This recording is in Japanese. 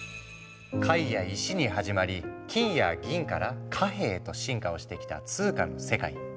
貝や石に始まり金や銀から貨幣へと進化をしてきた通貨の世界。